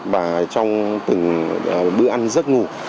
và trong từng bữa ăn rất ngủ